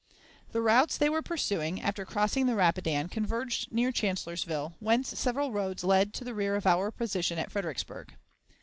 The routes they were pursuing, after crossing the Rapidan, converged near Chancellorsville, whence several roads led to the rear of our position at Fredericksburg.